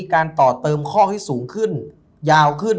การต่อเติมข้อให้สูงขึ้นยาวขึ้น